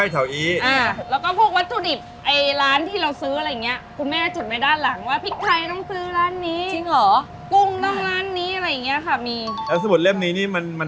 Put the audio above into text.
แต่อันนี้เราก็เปิดมาเป็นนี่ค่ะอันนี้ยูเก่าบ้าง